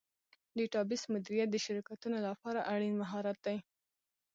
ډیټابیس مدیریت د شرکتونو لپاره اړین مهارت دی.